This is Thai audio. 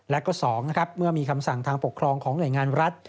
และก็๒นะครับเมื่อมีคำสั่งทางปกครองของหน่วยงานรัฐ